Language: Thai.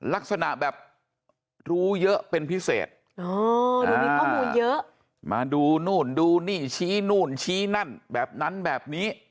ลักษณะแบบรู้เยอะเป็นพิเศษมาดูนู่นดูนี่ชี้นู่นชี้นั่นแบบนั้นแบบนี้